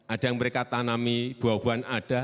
ada yang mereka tanami buah buahan ada